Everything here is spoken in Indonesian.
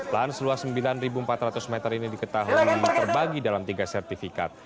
lahan seluas sembilan empat ratus meter ini diketahui terbagi dalam tiga sertifikat